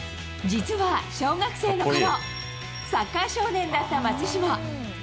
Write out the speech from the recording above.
実は小学生のころ、サッカー少年だった松島。